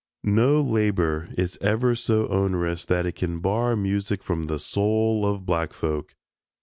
No labor is ever so onerous that it can bar music from the soul of black folk.